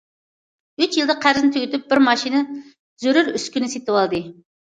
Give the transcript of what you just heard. ئۈچ يىلدا قەرزنى تۈگىتىپ، بىر ماشىنا، زۆرۈر ئۈسكۈنە سېتىۋالدى.